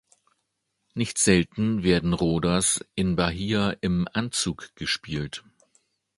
Nicht selten werden Rodas in Bahia im Anzug gespielt.